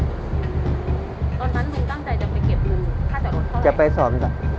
ตอนนั้นลุงตั้งใจจะไปเก็บค่าจอดรถเขาไหม